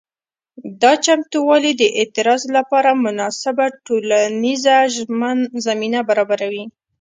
دا چمتووالي د اعتراض لپاره مناسبه ټولنیزه زمینه برابروي.